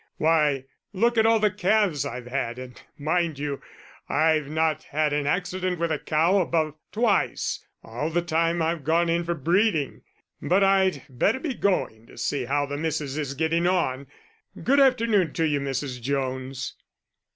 Why, look at all the calves I've had and mind you, I've not had an accident with a cow above twice, all the time I've gone in for breeding.... But I'd better be going to see how the Missus is getting on. Good afternoon to you, Mrs. Jones."